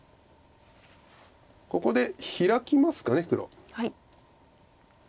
ここでヒラきますか黒。